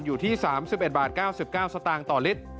อยู่ที่๓๑บาท๙๙สตางค์ต่อลิตร